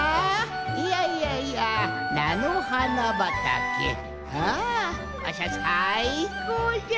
いやいやいやなのはなばたけあわしはさいこうじゃ！